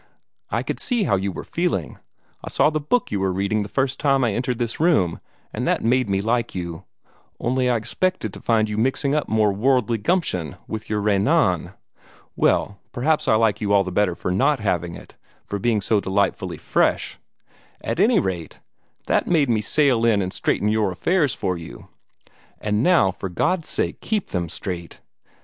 I could see how you were feeling I saw the book you were reading the first time I entered this room and that made me like you; only I expected to find you mixing up more worldly gumption with your Renan. Well, perhaps I like you all the better for not having it for being so delightfully fresh. At any rate, that made me sail in and straighten your affairs for you. And now, for God's sake, keep them straight.